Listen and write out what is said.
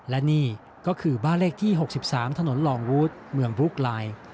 และนี่ก็คือบ้านเลขที่๖๓ถนนลองวูดเมืองบลุ๊กไลน์